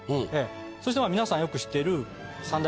そして皆さんよく知ってる。